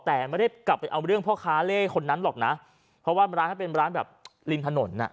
แต่ไม่ได้กลับไปเอาเรื่องพ่อค้าเล่คนนั้นหรอกนะเพราะว่าร้านเขาเป็นร้านแบบริมถนนอ่ะ